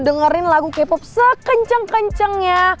lo dengerin lagu k pop sekenceng kencengnya